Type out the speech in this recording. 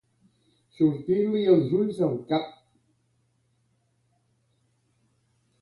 Sortir-li els ulls del cap.